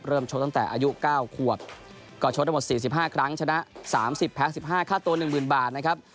ชกตั้งแต่อายุ๙ขวบก็ชกทั้งหมด๔๕ครั้งชนะ๓๐แพ้๑๕ค่าตัว๑๐๐๐บาทนะครับ